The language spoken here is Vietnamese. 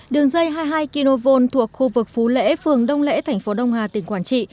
đường dây hai mươi hai kv thuộc khu vực phú lễ phường đông lễ thành phố đông hà tỉnh quảng trị